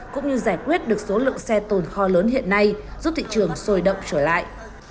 cũng như giải quyết được số lượng xe tồn kho lớn hiện nay giúp thị trường sôi động trở lại